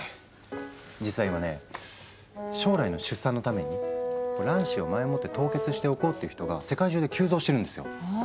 実は今ね将来の出産のために卵子を前もって凍結しておこうって人が世界中で急増してるんですよ。